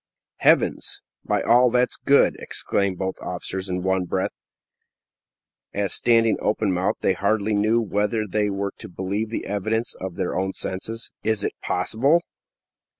"Heavens!" "By all that's good!" exclaimed both officers in one breath, as, standing open mouthed, they hardly knew whether they were to believe the evidence of their own senses. "Is it possible?"